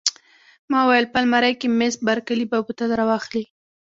ما وویل: په المارۍ کې، مس بارکلي به بوتل را واخلي.